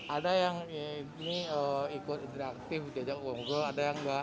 ada yang ini ikut interaktif diajak uang uang ada yang enggak